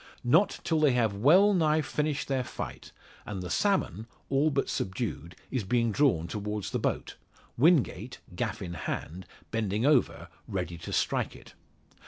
Not till they have well nigh finished their "fight," and the salmon, all but subdued, is being drawn towards the boat Wingate, gaff in hand, bending over ready to strike it.